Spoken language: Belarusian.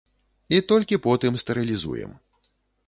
І толькі потым стэрылізуем.